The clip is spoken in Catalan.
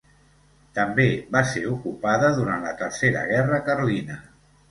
També va ser ocupada durant la Tercera guerra carlina.